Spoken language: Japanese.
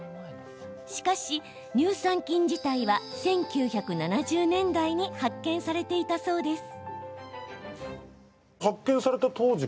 しかし、乳酸菌自体は１９７０年代に発見されていたそうです。